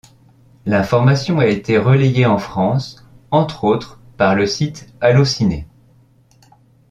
L'information a été relayée en France, entre autres par le site AlloCiné.